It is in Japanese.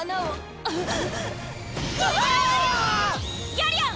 ギャリアン！